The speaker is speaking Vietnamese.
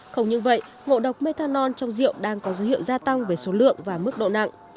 không như vậy ngộ độc methanol trong rượu đang có dấu hiệu gia tăng về số lượng và mức độ nặng